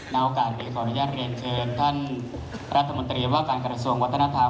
โอกาสนี้ขออนุญาตเรียนเชิญท่านรัฐมนตรีว่าการกระทรวงวัฒนธรรม